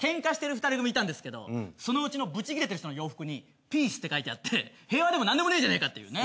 ２人組いたんですけどそのうちのブチ切れてる人の洋服に「ＰＥＡＣＥ」って書いてあって平和でもなんでもねえじゃないかっていうね。